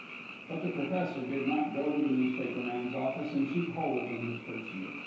But the professor did not go to the newspaper man's office and shoot holes in his person.